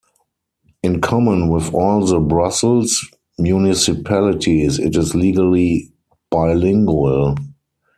In common with all the Brussels municipalities, it is legally bilingual.